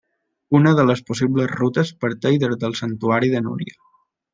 Una de les possibles rutes parteix des del santuari de Núria.